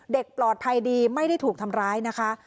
เด็กปลอดภัยดีไม่ได้ถูกทำร้ายนะคะ